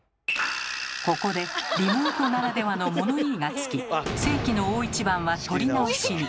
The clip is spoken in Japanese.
ここでリモートならではの物言いがつき世紀の大一番は取り直しに。